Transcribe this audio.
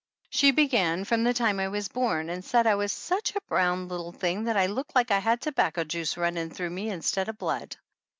She began from the time I was born, and said I was such a brown little thing that I looked like I had tobacco juice running through me instead of blood.